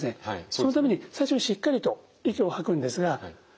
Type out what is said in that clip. そのために最初にしっかりと息を吐くんですが。